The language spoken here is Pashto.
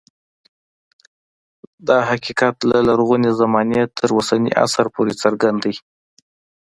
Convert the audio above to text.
دا حقیقت له لرغونې زمانې تر اوسني عصر پورې څرګند دی